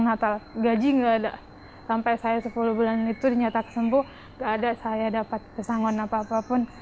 natal gajinya aika sampai saya sepuluh bulan itu nyetak sembuh ada saya dapat kesanggul apapun